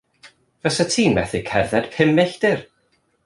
Fasat ti'n methu cerdded pum milltir.